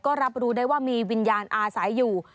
ก็รับรู้ได้ว่ามีวิญญาณอาศัยอยู่